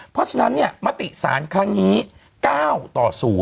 เพราะฉะนั้นเนี่ยมติศาลคราวนี้๙ต่อ๐